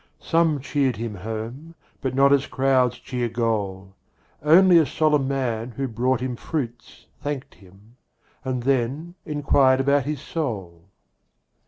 Some cheered him home, but not as crowds cheer Goal. Only a solemn man who brought him fruits Thanked him; and then inquired about his soul.